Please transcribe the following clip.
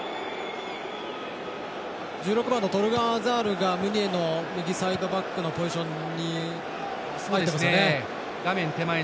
１６番のトルガン・アザールがムニエの右サイドバックのポジションに入ってますね。